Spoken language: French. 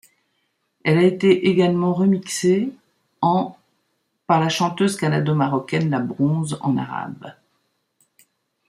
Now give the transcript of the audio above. Elle a été également remixée en par la chanteuse canado-marocaine La Bronze en arabe.